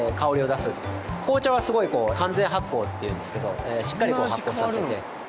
紅茶はすごいこう完全発酵っていうんですけどしっかりこう発酵させて。